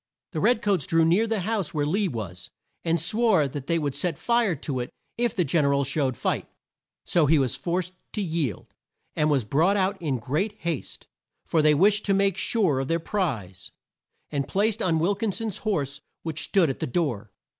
The red coats drew near the house where Lee was, and swore that they would set fire to it if the Gen er al showed fight. So he was forced to yield, and was brought out in great haste for they wished to make sure of their prize and placed on Wil kin son's horse which stood at the door.